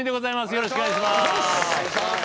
よろしくお願いします。